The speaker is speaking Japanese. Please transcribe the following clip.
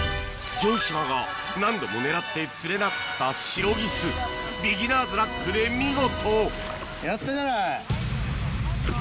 城島が何度も狙って釣れなかったシロギスビギナーズラックで見事やったじゃない。